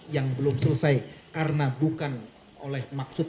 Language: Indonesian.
yang belum selesai karena bukan oleh maksud